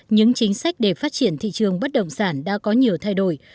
những chính sách để phát triển thị trường bất động sản đã có nhiều thay đổi